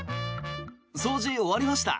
掃除、終わりました。